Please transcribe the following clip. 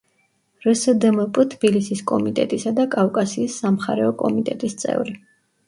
რსდმპ თბილისის კომიტეტისა და კავკასიის სამხარეო კომიტეტის წევრი.